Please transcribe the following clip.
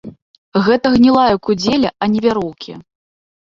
Гэта гнілая кудзеля, а не вяроўкі.